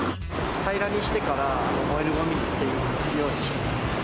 平らにしてから燃えるごみに捨てるようにしています。